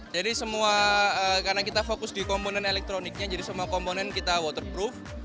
jadi semua karena kita fokus di komponen elektroniknya jadi semua komponen kita waterproof